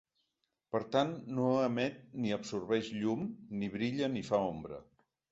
Per tant no emet ni absorbeix llum ni brilla ni fa ombra.